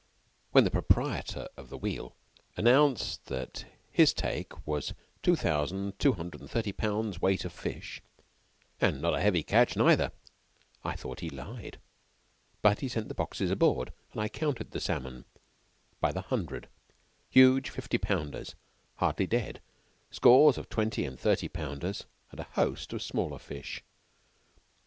When the proprietor of the wheel announced that his take was two thousand two hundred and thirty pounds weight of fish, "and not a heavy catch neither," I thought he lied. But he sent the boxes aboard, and I counted the salmon by the hundred huge fifty pounders hardly dead, scores of twenty and thirty pounders, and a host of smaller fish.